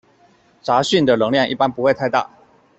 杂讯的能量一般不会太大。